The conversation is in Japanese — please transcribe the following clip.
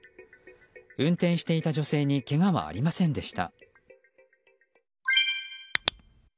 運転していた女性にけがはありませんでした。